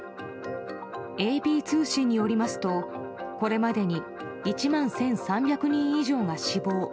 ＡＰ通信によりますとこれまでに１万１３００人以上が死亡。